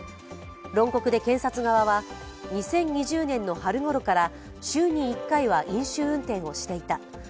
論告で検察側は、２０２０年の春頃から週に１回は飲酒運転をしていた。